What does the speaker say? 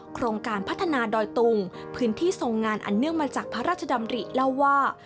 โครงการพัฒนาดอยตุงพื้นที่ทรงงานอันเนื่องมาจากพระราชดำริเล่าว่า